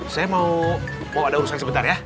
saya mau ada urusan sebentar ya